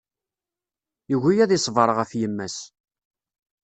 Yugi ad iṣber ɣef yemma-s.